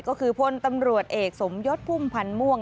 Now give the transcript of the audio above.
ก็คือพลตำรวจเอกสมยศพุ่มพันธ์ม่วง